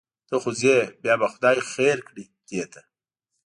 ته خو ځې بیا به خدای خیر کړي دې ته.